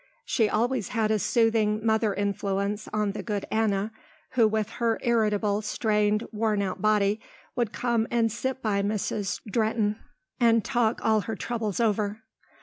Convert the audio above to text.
She always had a soothing mother influence on the good Anna who with her irritable, strained, worn out body would come and sit by Mrs. Drehten and talk all her troubles over.